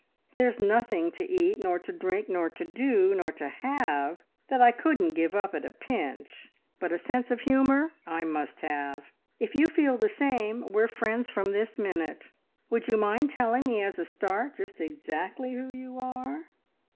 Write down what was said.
There's nothing to eat, nor to drink, nor to do, nor to have that I couldn't give up at a pinch, but a sense of humour I must have! If you feel the same, we're friends from this minute. ... Would you mind telling me as a start just exactly who you are?"